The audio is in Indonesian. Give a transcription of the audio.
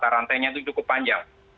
rantai cukup panjang